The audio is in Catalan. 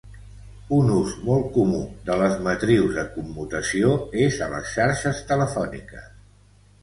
Un ús molt comú de les matrius de commutació és a les xarxes telefòniques.